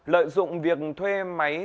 lợi dụng việc thuê máy